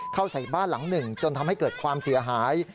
เข้าใส่บ้านหลังหนึ่งจนทำให้เกิดความเสียหาย